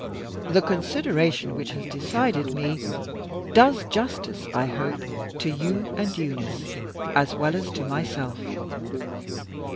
The consideration which has decided me does justice, I hope, to you and Eunice, as well as to myself.